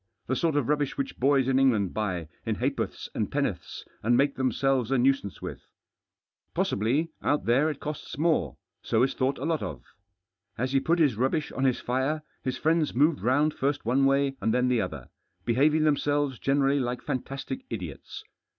The sort of rubbish which boys in England buy in ha'porths and penn'orths, and make themselves a nuisance with. Possibly, out there it costs more, so is thought a lot of. As he put his rubbish on his fire, his friends moved round first one way and then the other, behaving themselves generally like fantastic idiots.